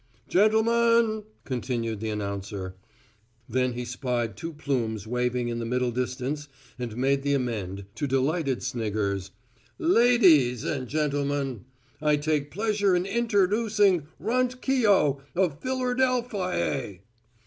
"Gen tul men," continued the announcer; then he spied two plumes waving in the middle distance and made the amend, to delighted sniggers: "Ladees and gen tul men, I take pleasure in in ter ducing Runt Keough of Phil ur del fy a."